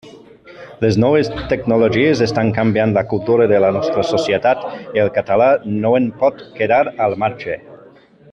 Les noves tecnologies estan canviant la cultura de la nostra societat i el català no en pot quedar al marge.